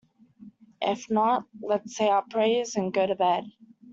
If not, let's say our prayers and go to bed.